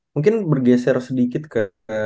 mungkin bergeser sedikit ke